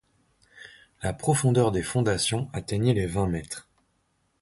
La profondeur des fondations atteignait les vingt mètres.